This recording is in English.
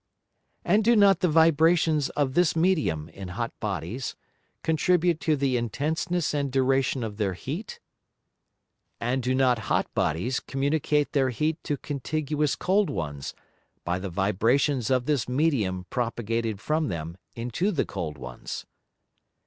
And do not the Vibrations of this Medium in hot Bodies contribute to the intenseness and duration of their Heat? And do not hot Bodies communicate their Heat to contiguous cold ones, by the Vibrations of this Medium propagated from them into the cold ones?